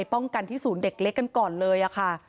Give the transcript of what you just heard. ป้องกันที่ศูนย์เด็กเล็กกันก่อนเลยค่ะ